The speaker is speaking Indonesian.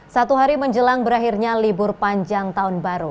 satu hari menjelang berakhirnya libur panjang tahun baru